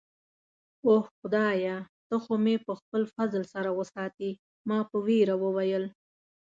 اوه، خدایه، ته خو مې په خپل فضل سره وساتې. ما په ویره وویل.